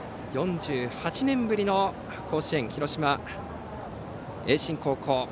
４８年ぶりの甲子園広島・盈進高校。